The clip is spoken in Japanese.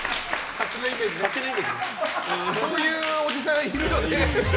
そういうおじさん、いるよね。